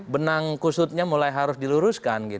benang kusutnya mulai harus diluruskan